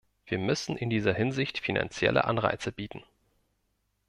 Wir müssen in dieser Hinsicht finanzielle Anreize bieten.